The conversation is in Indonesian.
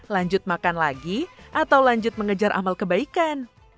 lanjut makan lagi atau lanjut mengejar amal kebaikan